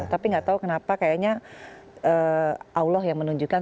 tapi nggak tahu kenapa kayaknya allah yang menunjukkan